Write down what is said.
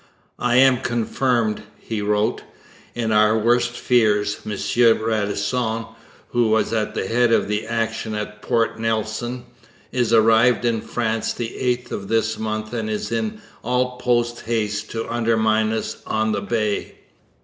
'I am confirmed,' he wrote, 'in our worst fears. M. Radisson, who was at the head of the action at Port Nelson, is arrived in France the 8th of this month and is in all post haste to undermine us on the Bay.